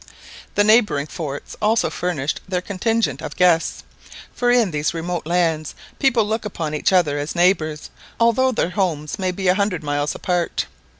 The neighbouring forts also furnished their contingent of guests, for in these remote lands people look upon each other as neighbours although their homes may be a hundred miles apart.